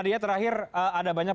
jadi itu yang harus dikejar